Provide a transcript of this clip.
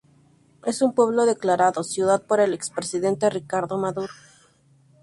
Es un pueblo declarado ciudad por el expresidente Ricardo Maduro.